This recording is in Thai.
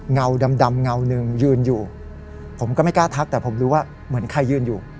เงาดำเงาหนึ่งยืนอยู่ผมก็ไม่กล้าทักแต่ผมรู้ว่าเหมือนใครยืนอยู่